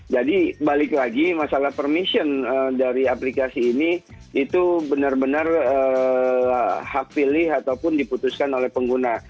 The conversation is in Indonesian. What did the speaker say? balik lagi masalah permission dari aplikasi ini itu benar benar hak pilih ataupun diputuskan oleh pengguna